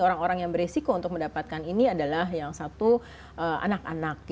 orang orang yang beresiko untuk mendapatkan ini adalah yang satu anak anak